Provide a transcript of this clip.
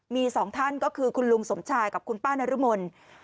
มีสองท่านก็คือคุณลุงสมชายกับคุณป้านรมน